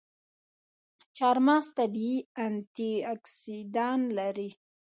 چارمغز طبیعي انټياکسیدان لري.